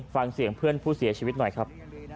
ฟังเสียงเพื่อนผู้เสียชีวิตหน่อยครับ